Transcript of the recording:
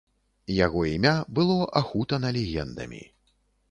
Яго імя было ахутана легендамі.